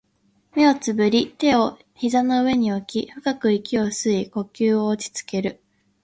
目を瞑り、手を膝の上に置き、深く息を吸い、呼吸を落ち着ける